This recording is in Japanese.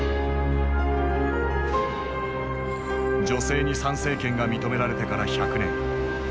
女性に参政権が認められてから百年。